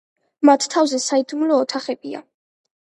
მათ თავზე საიდუმლო ოთახებია.